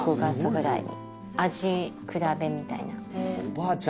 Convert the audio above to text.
味比べみたいな。